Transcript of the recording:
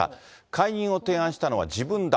解任を提案したのは自分だ。